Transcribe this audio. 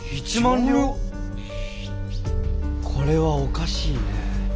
これはおかしいねえ。